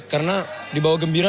karena di bawah gembira